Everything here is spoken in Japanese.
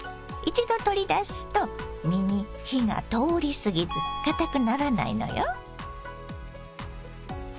一度取り出すと身に火が通り過ぎずかたくならないのよ。